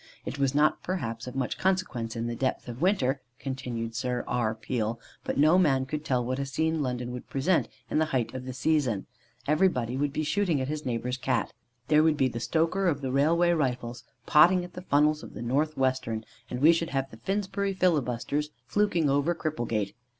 "It was not, perhaps, of much consequence in the depth of winter (continued Sir R. Peel), but no man could tell what a scene London would present in the height of the season. Everybody would be shooting at his neighbour's Cat. There would be the stoker of the Railway Rifles potting at the funnels of the North Western, and we should have the Finsbury Filibusters fluking over Cripplegate.